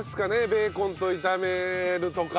ベーコンと炒めるとか。